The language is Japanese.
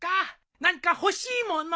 何か欲しいもの。